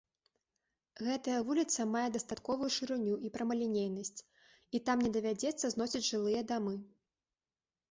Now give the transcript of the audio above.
Гэтая вуліца мае дастатковую шырыню і прамалінейнасць і там не давядзецца зносіць жылыя дамы.